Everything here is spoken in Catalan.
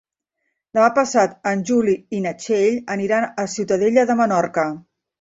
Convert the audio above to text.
Demà passat en Juli i na Txell aniran a Ciutadella de Menorca.